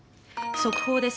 速報です。